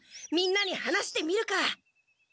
みんなに話してみるか。